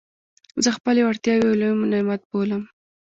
زه خپلي وړتیاوي یو لوی نعمت بولم.